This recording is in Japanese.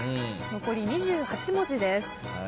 残り２８文字です。